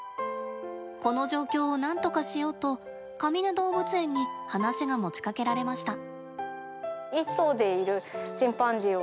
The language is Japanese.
この状況を何とかしようとかみね動物園に話が持ちかけられました。